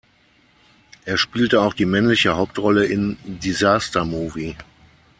Er spielte auch die männliche Hauptrolle in Disaster Movie.